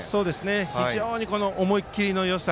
非常に思い切りのよさ